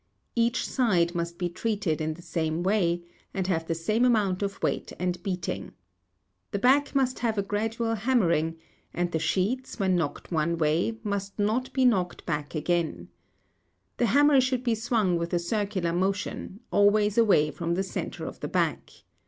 Each side must be treated in the same way, and have the same amount of weight and beating. The back must have a gradual hammering, and the sheets, when knocked one way, must not be knocked back again. The hammer should be swung with a circular motion, always away from the centre of the back.